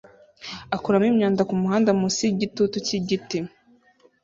akuramo imyanda kumuhanda munsi yigitutu cyigiti